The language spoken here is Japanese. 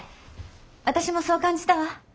私もそう感じたわ。